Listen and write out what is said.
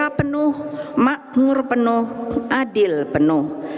kita penuh makmur penuh adil penuh